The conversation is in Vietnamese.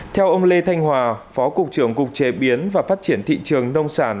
theo ông lê thanh hòa phó cục trưởng cục chế biến và phát triển thị trường nông sản